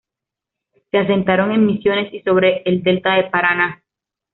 Se asentaron en Misiones y sobre el Delta del Paraná.